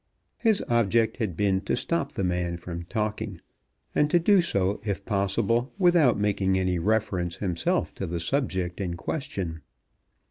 His object had been to stop the man from talking, and to do so if possible without making any reference himself to the subject in question.